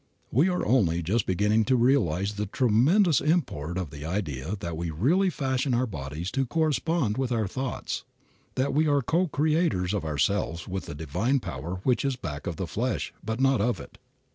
We are only just beginning to realize the tremendous import of the idea that we really fashion our bodies to correspond with our thoughts, that we are co creators of ourselves with the Divine Power which is back of the flesh, but not of it.